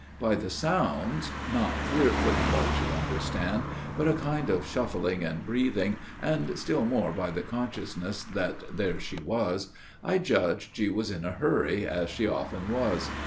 By the sounds not clear footfalls you understand but a kind of shuffling and breathing, and still more by the con sciousness that there she was, I judged she was in a hurry, as she often was.